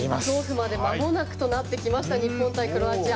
まもなくとなってきました日本対クロアチア。